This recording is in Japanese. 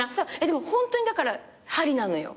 でもホントにだから針なのよ。